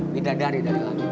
bidadari dari laki